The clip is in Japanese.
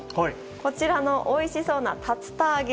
こちらのおいしそうな竜田揚げ。